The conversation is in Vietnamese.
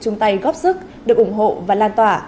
chung tay góp sức được ủng hộ và lan tỏa